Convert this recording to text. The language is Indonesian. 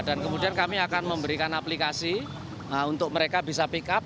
dan kemudian kami akan memberikan aplikasi untuk mereka bisa pick up